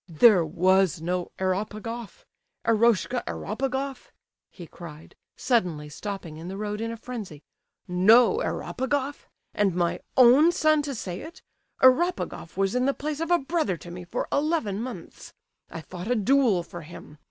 "There was no Eropegoff? Eroshka Eropegoff?" he cried, suddenly, stopping in the road in a frenzy. "No Eropegoff! And my own son to say it! Eropegoff was in the place of a brother to me for eleven months. I fought a duel for him.